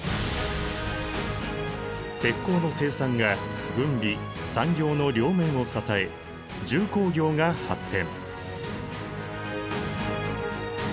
鉄鋼の生産が軍備・産業の両面を支え重工業が発展。